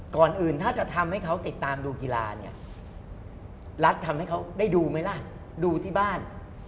ก่อนอื่นถ้าจะทำให้เขาติดตามดูกีฬาเนี่ยรัฐทำให้เขาได้ดูไหมล่ะดูที่บ้าน